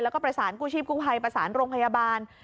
แล้วก็ประสานกู้ชีพกู้ภัยประสานโรงพยาบาล